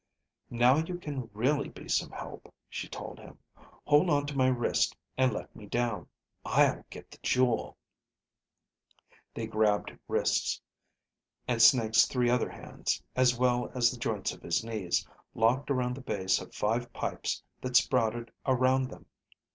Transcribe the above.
"Now you can really be some help," she told him. "Hold on to my wrist and let me down. I'll get the jewel." They grabbed wrists, and Snake's three other hands, as well as the joints of his knees, locked around the base of five pipes that sprouted around them.